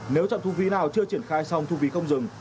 nếu trạm thu phí nào chưa triển khai xong thu phí không dừng